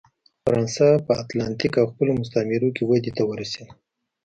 فرانسه په اتلانتیک او خپلو مستعمرو کې ودې ته ورسېده.